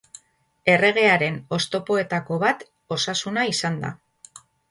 Erregearen oztopoetako bat osasuna izan da.